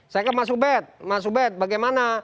saya ke mas ubed mas ubed bagaimana